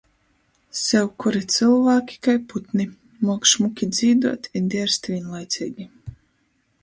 Sevkuri cylvāki kai putni - muok šmuki dzīduot i dierst vīnlaiceigi!